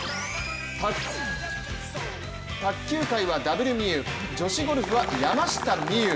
卓球界はＷみゆう、女子ゴルフは山下美夢有。